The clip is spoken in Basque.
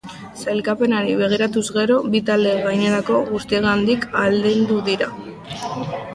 Sailkapenari begiratuz gero, bi talde gainerako guztiengandik aldendu dira.